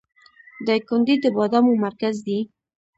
دایکنډي د بادامو مرکز دی